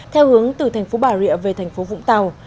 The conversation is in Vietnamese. theo hướng từ thành phố bà rịa về thành phố vũng tàu